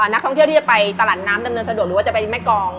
นักท่องเที่ยวที่จะไปตลาดน้ำดำเนินสะดวกหรือว่าจะไปแม่กอง